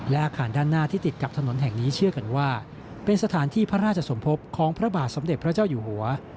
และอาคารด้านหน้าที่ติดกับถนนแห่งนี้เชื่อกันว่าเป็นสถานที่พระราชสมภพของพระบาทสมเด็จพระเจ้าอยู่หัว